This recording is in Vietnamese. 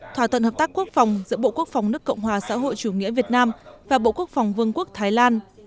thỏa thuận hợp tác quốc phòng giữa bộ quốc phòng nước cộng hòa xã hội chủ nghĩa việt nam và bộ quốc phòng vương quốc thái lan